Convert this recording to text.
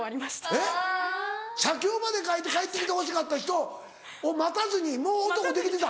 えっ写経まで書いて帰って来てほしかった人を待たずにもう男できてた？